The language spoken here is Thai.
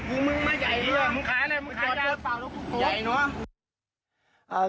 พูดมาเถอะ